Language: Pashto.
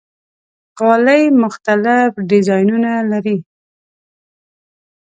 غالۍ مختلف ډیزاینونه لري.